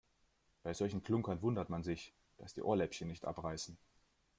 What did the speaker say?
Bei solchen Klunkern wundert man sich, dass die Ohrläppchen nicht abreißen.